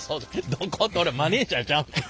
どこって俺マネージャーちゃうねんから。